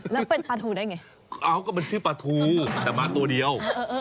แล้วเป็นปลาทูได้ไงเอาก็มันชื่อปลาทูแต่มาตัวเดียว